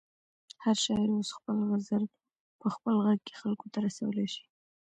هر شاعر اوس خپل غزل په خپل غږ کې خلکو ته رسولی شي.